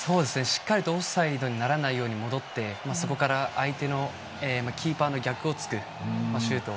しっかりとオフサイドにならないように戻って、そこから相手のキーパーの逆を突くシュート。